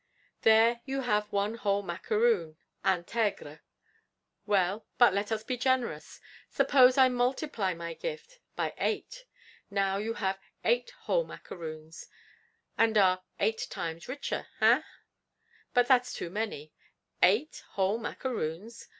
There you have one whole macaroon (intègre): well, but let us be generous. Suppose I multiply my gift, by eight: now you have eight whole macaroons and are eight times richer, hein? But that's too many; eight whole macaroons!